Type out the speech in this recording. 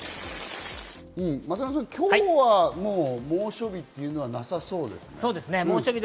今日は猛暑日というのはなさそうですね。